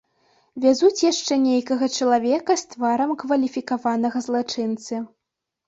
Вязуць яшчэ нейкага чалавека з тварам кваліфікаванага злачынцы.